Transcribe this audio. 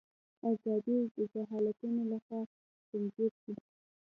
ازادي د جهالتونو لخوا ځنځیر شي.